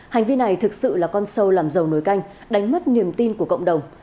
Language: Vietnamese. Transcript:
hành vi này thực sự là con sâu làm dầu nối canh đánh mất niềm tin của cộng đồng